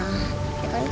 adam jangan sedih